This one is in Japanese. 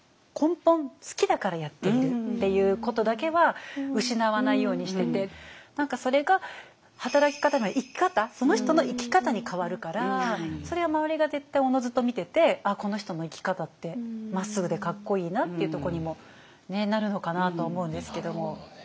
根本好きだからやっているっていうことだけは失わないようにしてて何かそれが働き方が生き方その人の生き方に変わるからそれは周りが絶対おのずと見ててこの人の生き方ってまっすぐでかっこいいなっていうとこにもなるのかなとは思うんですけども。